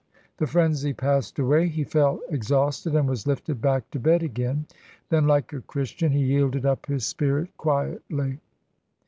The frenzy passed away. He fell ex hausted, and was lifted back to bed again. Then, *like a Christian, he yielded up his spirit quietly.